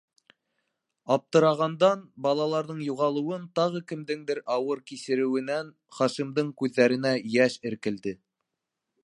Аптырағандан, - балаларҙың юғалыуын тағы кемдеңдер ауыр кисереүенән Хашимдың күҙҙәренә йәш эркелде.